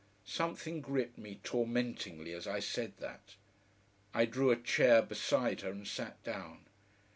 Something gripped me tormentingly as I said that. I drew a chair beside her and sat down.